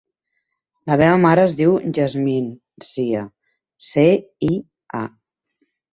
La meva mare es diu Yasmine Cia: ce, i, a.